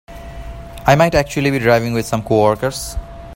I might actually be driving with some coworkers.